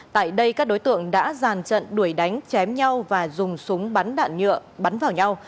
tại đây các đối tượng đã giàn trận đuổi đánh chém nhau và dùng súng bắn đạn nhựa bắn vào nhau